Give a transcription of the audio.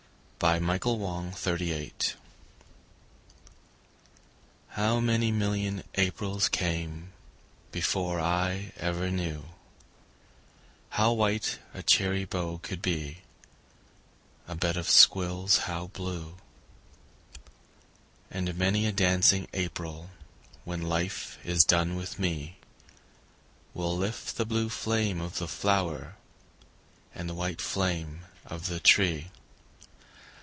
Part I Blue Squills How many million Aprils came Before I ever knew How white a cherry bough could be, A bed of squills, how blue! And many a dancing April When life is done with me, Will lift the blue flame of the flower And the white flame of the tree.